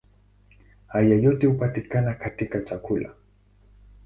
Hayo yote hupatikana katika chakula.